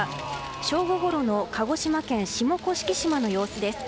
正午ごろの鹿児島県の様子です。